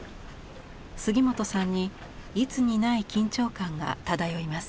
杉本さんにいつにない緊張感が漂います。